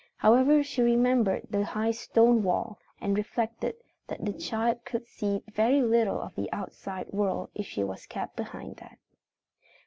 However, she remembered the high stone wall and reflected that the child could see very little of the outside world if she was kept behind that.